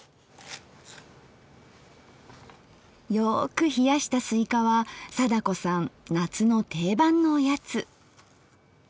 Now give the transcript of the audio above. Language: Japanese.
よく冷やしたスイカは貞子さん夏の定番のおやつ。